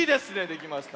できました。